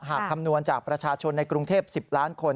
คำนวณจากประชาชนในกรุงเทพ๑๐ล้านคน